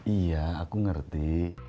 iya aku ngerti